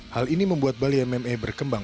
hal ini membuat bali mma berkembang